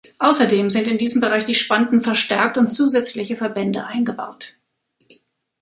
Außerdem sind in diesem Bereich die Spanten verstärkt und zusätzliche Verbände eingebaut.